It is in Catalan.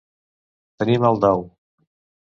Tenir mal dau.